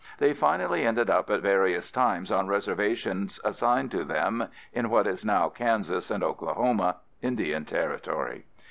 They finally ended up at various times on reservations assigned them in what is now Kansas and Oklahoma (Indian Territory).